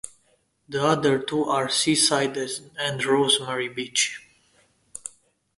The other two are Seaside and Rosemary Beach.